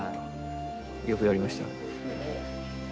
よくやりました。